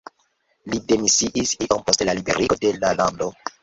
Li demisiis iom post la liberigo de la lando.